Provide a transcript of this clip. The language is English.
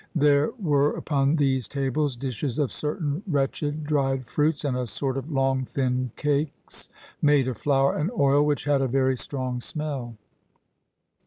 There were upon these tables dishes of certain wretched dried fruits and a sort of long thin cakes made of flour and oil, which had a very strong smell.